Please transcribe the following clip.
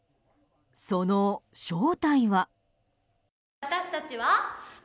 その正体は。